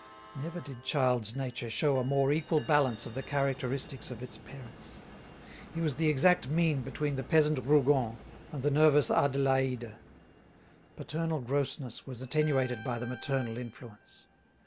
Never did child's nature show a more equal balance of the characteristics of its parents. He was the exact mean between the peasant Rougon and the nervous Adélaïde. Paternal grossness was attenuated by the maternal influence.